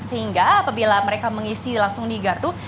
sehingga apabila mereka mengisi langsung di gardu